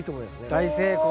大成功。